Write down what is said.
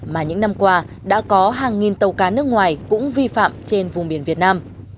mà những năm qua đã có hàng nghìn tàu cá nước ngoài cũng vi phạm trên vùng biển việt nam